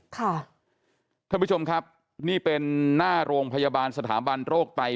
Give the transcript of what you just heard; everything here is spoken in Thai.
ท่านผู้ชมครับนี่เป็นหน้าโรงพยาบาลสถาบันโรคไต